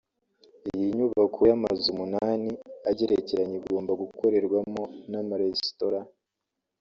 Iyi nyubako y’amazu umunani agerekeranye igomba gukorerwamo n’amaresitora